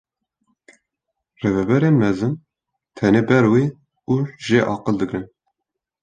Rêveberên mezin têne ber wî û jê aqil digirin.